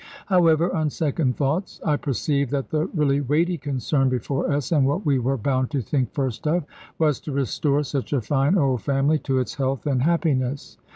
However, on second thoughts I perceived that the really weighty concern before us, and what we were bound to think first of, was to restore such a fine old family to its health and happiness.